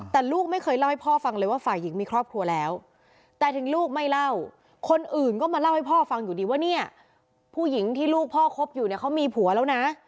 ผู้หญิงที่ลูกพ่อคบอยู่เนี่ยเขามีผัวแล้วนะ